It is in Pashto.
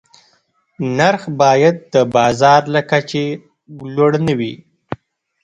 نرخ باید د بازار له کچې لوړ نه وي.